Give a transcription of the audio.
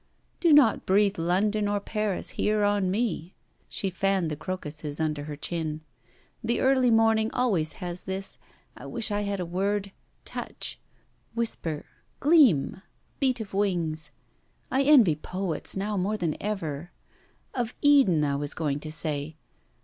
'Do not breathe London or Paris here on me.' She fanned the crocuses under her chin. 'The early morning always has this I wish I had a word! touch... whisper... gleam... beat of wings I envy poets now more than ever! of Eden, I was going to say.